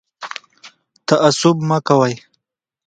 تعصب مه کوئ